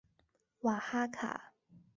瓦哈卡。